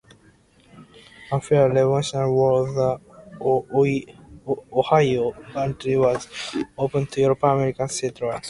After the Revolutionary War, the Ohio Country was opened to European-American settlement.